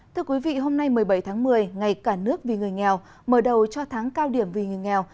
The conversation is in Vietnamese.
thưa quý vị hôm nay một mươi bảy tháng một mươi ngày cả nước vì người nghèo mở đầu cho tháng cao điểm vì người nghèo